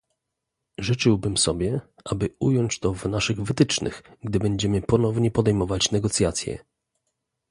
Życzyłbym sobie, aby ująć to w naszych wytycznych, gdy będziemy ponownie podejmować negocjacje